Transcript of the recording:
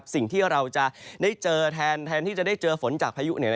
สิ่งที่เราจะได้เจอแทนที่จะได้เจอฝนจากพายุ